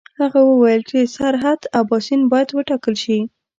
هغه وویل چې سرحد اباسین باید وټاکل شي.